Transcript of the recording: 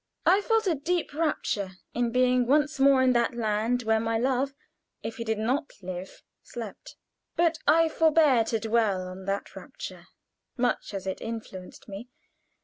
I felt a deep rapture in being once more in that land where my love, if he did not live, slept. But I forbear to dwell on that rapture, much as it influenced me.